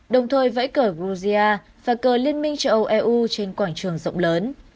đồng thời vẫy cởi georgia và cờ liên minh châu âu eu trên quảng trường rộng lớn